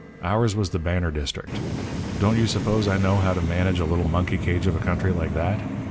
Ours was the banner district. Don't you suppose I know how to manage a little monkey cage of a country like that?